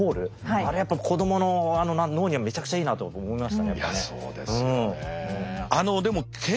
あれはやっぱ子供の脳にはめちゃくちゃいいなと思いましたねやっぱね。